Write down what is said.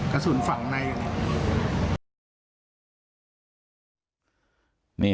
กระสุนฝั่งในอยู่นี่